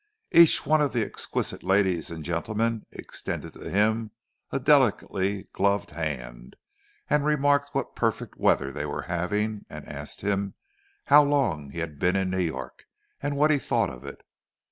Each one of the exquisite ladies and gentlemen extended to him a delicately gloved hand, and remarked what perfect weather they were having, and asked him how long he had been in New York, and what he thought of it.